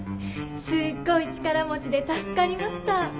すっごい力持ちで助かりました。